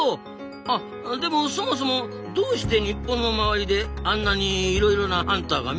あでもそもそもどうして日本の周りであんなにいろいろなハンターが見つかったんですかね？